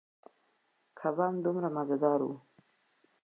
کبان دومره مزدار ووـ.